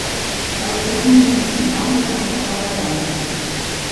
Alcaldia Municipal de Santa Rosa de Osos.